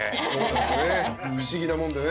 不思議なもんでね。